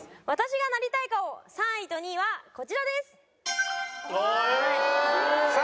私がなりたい顔３位と２位はこちらです。